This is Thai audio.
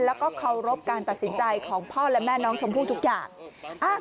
แล้วก็เคารพการตัดสินใจของพ่อและแม่น้องชมพู่ทุกอย่าง